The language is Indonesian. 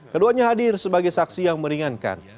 keduanya hadir sebagai saksi yang meringankan